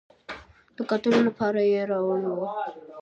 د کتلو لپاره یې راوړې وه.